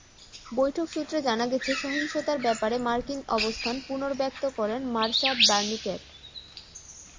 বৈঠক সূত্রে জানা গেছে, সহিংসতার ব্যাপারে মার্কিন অবস্থান পুনর্ব্যক্ত করেন মার্শা বার্নিক্যাট।